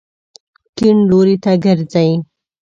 کیڼ لوري ته ګرځئ